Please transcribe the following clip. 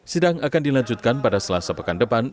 sidang akan dilanjutkan pada selasa pekan depan